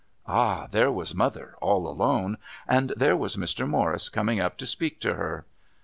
Ah, there was mother, all alone. And there was Mr. Morris coming up to speak to her.